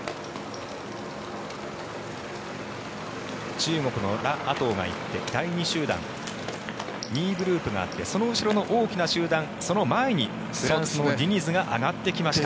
中国のラ・アトウが行って第２集団２位グループがあってその後ろの大きな集団その前にフランスのディニズが上がってきました。